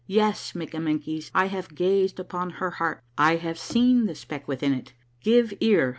Yes, Mikkamenkies, I have gazed upon her heart ; I have seen the speck within it I Give ear.